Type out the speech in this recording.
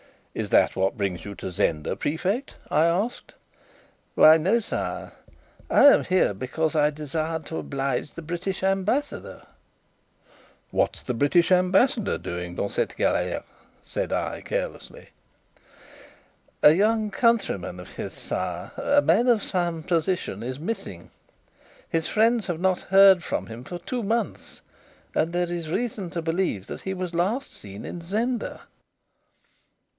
"Is that what brings you to Zenda, Prefect?" I asked. "Why no, sire; I am here because I desired to oblige the British Ambassador." "What's the British Ambassador doing dans cette galère?" said I, carelessly. "A young countryman of his, sire a man of some position is missing. His friends have not heard from him for two months, and there is reason to believe that he was last seen in Zenda."